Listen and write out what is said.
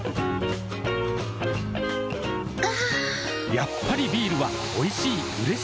やっぱりビールはおいしい、うれしい。